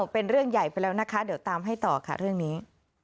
เป็นเรื่องใหญ่ไปแล้วนะคะเดี๋ยวตามให้ต่อค่ะเรื่องนี้